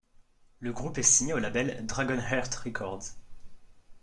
Le groupe est signé au label Dragonheart Records.